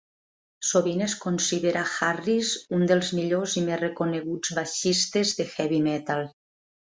Sovint es considera Harris un dels millors i més reconeguts baixistes de "heavy metal".